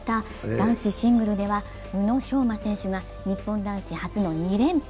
男子シングルでは宇野昌磨選手が日本男子初の２連覇。